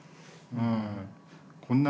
うん。